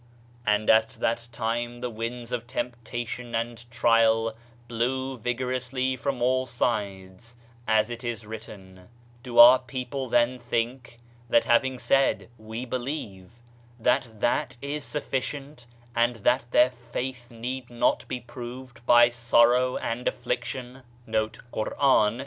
And at that time the winds of temptation and trial blew vigorously from all sides, as it is written: "Do our people then think, that having said *We believe,' that that is sufficient, and that their faith need not be proved by sorrow and affliction?"'